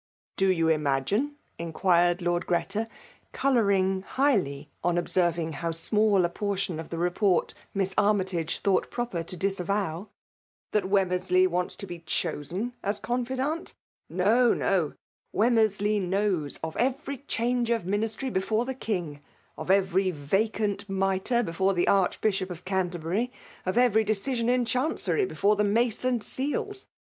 ''Do you imagine, inquired Lord Greta, eoloaring highly on observing how small a portion of the report Miss Annytage thought proper to disavoWf ''that Wemrnersley waitv to fae dtoiBB m confidant? No, no I Wemmersley Inows of every diange o£ ministry before the ; of every vacant mitre before the Arch lOS PBNTAU t>0HINATI01f. bishop of Canterbury ; of every decisiob ia chancety before the maoe and seals!